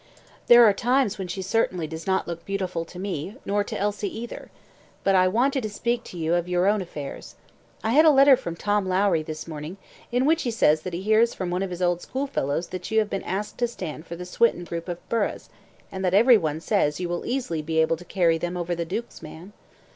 "There are times when she certainly does not look beautiful to me, nor to Elsie either. But I wanted to speak to you of your own affairs. I had letter from Tom Lowrie this morning, in which he says that he hears from one of his old schoolfellows that you have been asked to stand for the Swinton group of burghs, and that every one says you will easily be able to carry them over the duke's man."